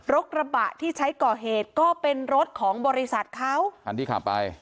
กระบะที่ใช้ก่อเหตุก็เป็นรถของบริษัทเขาคันที่ขับไป